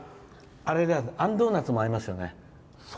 あんドーナツもありますよね。